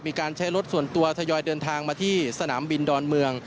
มีการใช้รถส่วนตัวทยอยเดินทางมาที่สนามบินดอนเมือง